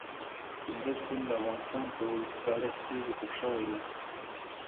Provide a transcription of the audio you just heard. کندز سیند د افغانستان په اوږده تاریخ کې ذکر شوی دی.